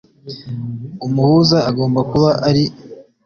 umuhuza agomba kuba ari: